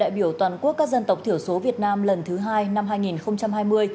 đại biểu toàn quốc các dân tộc thiểu số việt nam lần thứ hai năm hai nghìn hai mươi